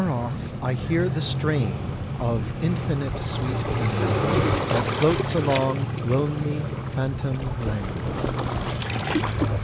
XIV Far off I hear the strain Of infinite sweet pain, That floats along lonely phantom land.